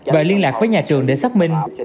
và liên lạc với nhà trường để xác minh